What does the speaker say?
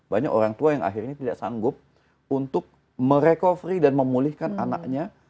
banyak orang tua yang akhirnya tidak sanggup untuk merecovery dan memulihkan anaknya